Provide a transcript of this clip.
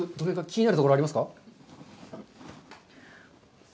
気になるところはありますか？